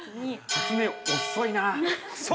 ◆発明、遅いな。